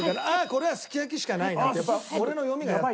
これはすき焼きしかないなって俺の読みがやっと。